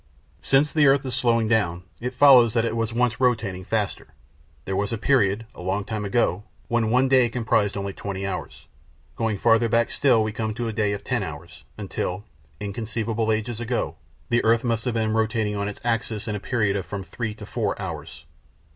Since the earth is slowing down, it follows that it was once rotating faster. There was a period, a long time ago, when the day comprised only twenty hours. Going farther back still we come to a day of ten hours, until, inconceivable ages ago, the earth must have been rotating on its axis in a period of from three to four hours.